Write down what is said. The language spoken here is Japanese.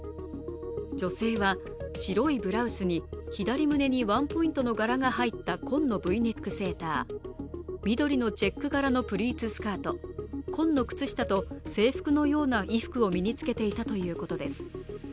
女性は白いブラウスに左胸にワンポイントの柄が入った紺のＶネックセーター、緑のチェック柄のプリーツスカート紺の靴下と制服のような衣服を身に着けていたということです。